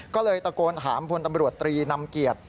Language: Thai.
ก็เลยตะโกนถามพลตำรวจตรีนำเกียรติ